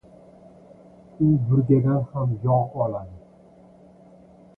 • U burgadan ham yog‘ oladi.